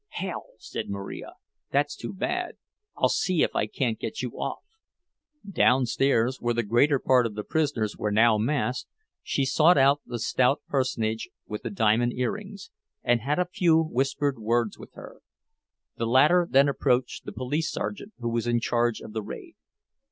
"Hell!" said Marija. "That's too bad. I'll see if I can't get you off." Downstairs, where the greater part of the prisoners were now massed, she sought out the stout personage with the diamond earrings, and had a few whispered words with her. The latter then approached the police sergeant who was in charge of the raid.